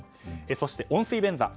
そして、温水便座。